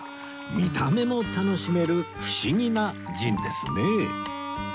見た目も楽しめる不思議なジンですね